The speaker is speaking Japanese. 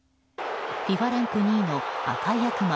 ＦＩＦＡランク２位の赤い悪魔